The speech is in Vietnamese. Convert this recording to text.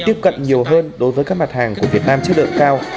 tiếp cận nhiều hơn đối với các mặt hàng của việt nam chất lượng cao